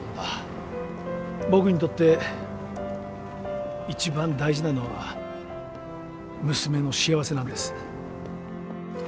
僕にとって一番大事なのは娘の幸せなんです。